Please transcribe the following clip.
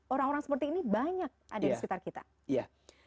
orang orang seperti ini banyak ada di sekitar kita